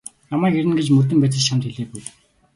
Намайг ирнэ гэж мөрдөн байцаагч чамд хэлээгүй.